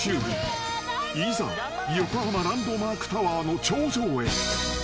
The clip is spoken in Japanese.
［いざ横浜ランドマークタワーの頂上へ］